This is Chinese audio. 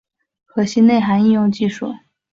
核心内涵应用技术